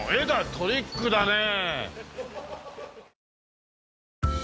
トリックだねえ。